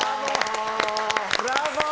ブラボー！